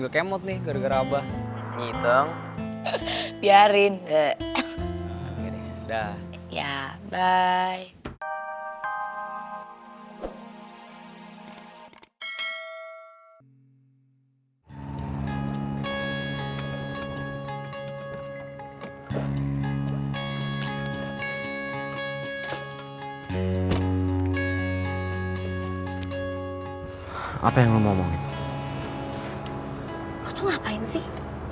lo tuh ngapain sih